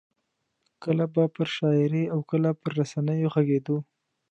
کله به پر شاعرۍ او کله پر رسنیو غږېدو.